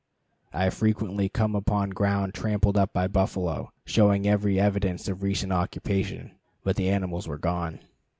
I have frequently come upon ground tramped up by buffalo, showing every evidence of recent occupation, but the animals were gone.